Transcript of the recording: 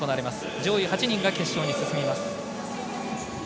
上位８人が決勝に進みます。